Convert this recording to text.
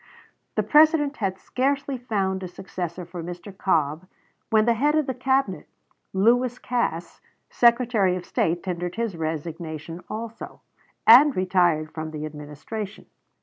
The President had scarcely found a successor for Mr. Cobb when the head of his Cabinet, Lewis Cass, Secretary of State, tendered his resignation also, and retired from the Administration.